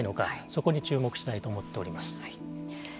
そこに注目したいと思っております。